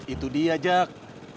itu dia jak